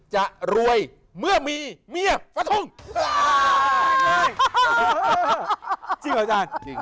จริงเหรออาจารย์